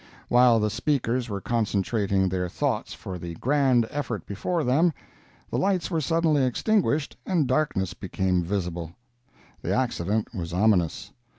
While the speakers were concentrating their thoughts for the grand effort before them, the lights were suddenly extinguished and darkness became visible. The accident was ominous.